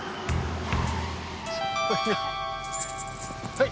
はい。